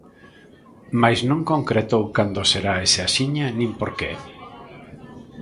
Mais non concretou cando será ese axiña nin por que.